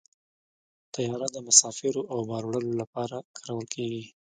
طیاره د مسافرو او بار وړلو لپاره کارول کېږي.